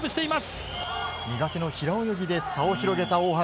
苦手、平泳ぎで差を広げた大橋。